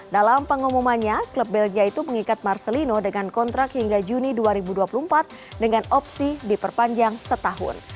dalam pengumumannya klub belgia itu mengikat marcelino dengan kontrak hingga juni dua ribu dua puluh empat dengan opsi diperpanjang setahun